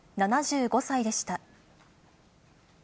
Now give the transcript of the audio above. ７５歳でした。